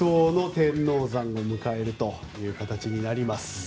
天王山を迎えることになります。